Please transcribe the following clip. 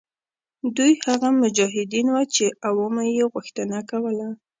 دوی هغه مجاهدین وه چې عوامو یې غوښتنه کوله.